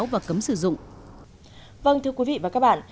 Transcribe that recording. vâng thưa quý vị và các bạn